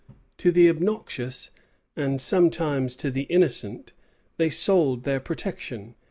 To the obnoxious, and sometimes to the innocent, they sold their protection.